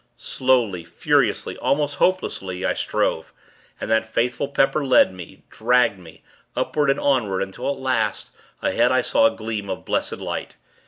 Slowly, furiously, almost hopelessly, I strove; and that faithful Pepper led me, dragged me, upward and onward, until, at last, ahead I saw a gleam of blessed light.